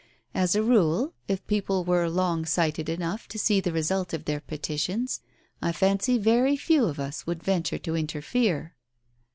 As a rule, if people were long sighted enough to see the result of their petitions, I fancy very few of us would venture to interfere."